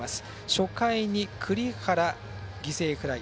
初回に栗原、犠牲フライ。